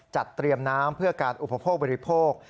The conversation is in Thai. จัดเตรียมน้ำเพื่อการอุปโภคบริโภค